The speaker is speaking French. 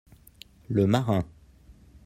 Le marin.